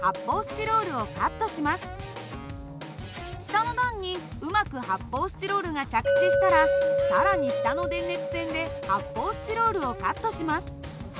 下の段にうまく発泡スチロールが着地したら更に下の電熱線で発泡スチロールをカットします。